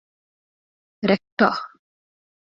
ރެކްޓަރ